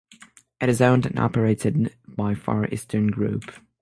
It is owned and operated by Far Eastern Group.